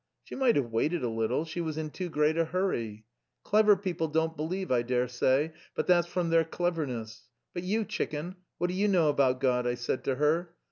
She might have waited a little, she was in too great a hurry! Clever people don't believe, I dare say; but that's from their cleverness. But you, chicken, what do you know about God, I said to her.